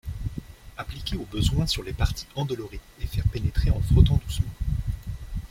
Appliquer au besoin sur les parties endolories et faire pénétrer en frottant doucement.